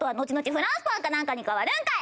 フランスパンかなんかに変わるんかい！